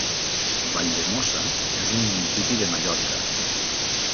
Valldemossa és un municipi de Mallorca.